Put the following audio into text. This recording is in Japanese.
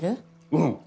うん。